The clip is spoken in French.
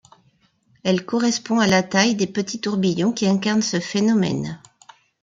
Elle correspond à la taille des petits tourbillons qui incarnent ce phénomène.